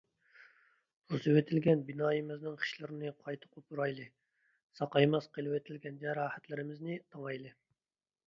بۇزۇۋېتىلگەن بىنايىمىزنىڭ خىشلىرىنى قايتا قوپۇرايلى، ساقايماس قىلىۋېتىلگەن جاراھەتلىرىمىزنى تاڭايلى.